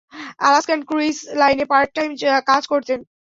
Alaskan cruise লাইনে part time কাজ করতেন।